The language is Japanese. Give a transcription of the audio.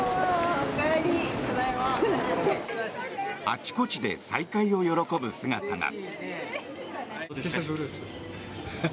あちこちで再会を喜ぶ姿が。